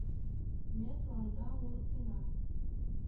Ме тыланда мурыктена!